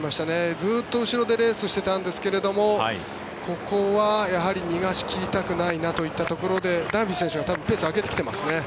ずっと後ろでレースをしていたんですけどここはやはり逃がし切りたくないなといったところでダンフィー選手がペースを上げてきていますね。